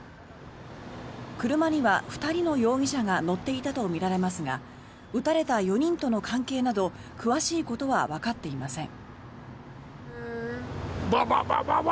車には２人の容疑者が乗っていたとみられますが撃たれた４人との関係など詳しいことはわかっていません。